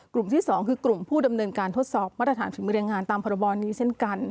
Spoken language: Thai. ที่๒คือกลุ่มผู้ดำเนินการทดสอบมาตรฐานฝีมือแรงงานตามพรบนี้เช่นกัน